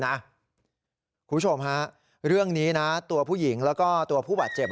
คุณผู้ชมเรื่องนี้ตัวผู้หญิงและผู้บาดเจ็บ